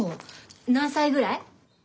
何歳ぐらい？